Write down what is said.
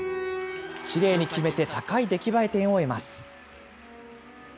きれいに決めて、高い出来栄え点を得ます。